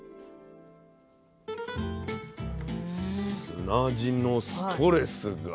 砂地のストレスが。